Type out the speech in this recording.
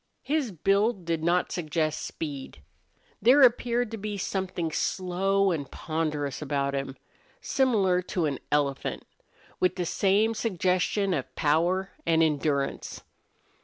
His build did not suggest speed. There appeared to be something slow and ponderous about him, similar to an elephant, with the same suggestion of power and endurance.